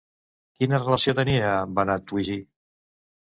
Quina relació tenia amb Vanatüji?